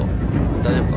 大丈夫か？